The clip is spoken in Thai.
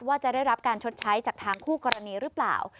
ว่าจะได้รับการชดใช้จากทางคู่กรณีหรือเปล่า